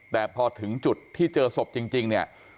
แต่พอถึงจุดที่เจอศพจริงเนี่ย